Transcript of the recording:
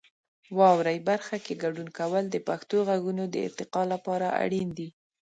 واورئ برخه کې ګډون کول د پښتو غږونو د ارتقا لپاره اړین دی.